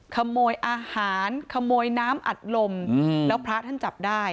ขโมยอาหารขโมยน้ำอัดลมแล้วพระท่านจับได้